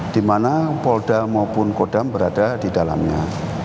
dimana polda maupun kodam berada di dalamnya